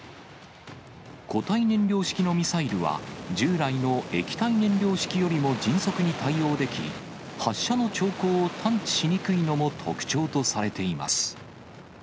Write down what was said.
固体燃料式のミサイルは、従来の液体燃料式よりも迅速に対応でき、発射の兆候を探知しにくいのも特徴とされています。